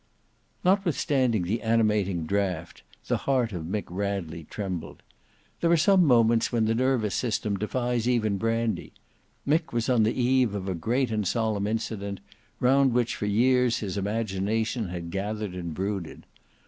Notwithstanding the animating draught, the heart of Mick Radley trembled. There are some moments when the nervous system defies even brandy. Mick was on the eve of a great and solemn incident, round which for years his imagination had gathered and brooded.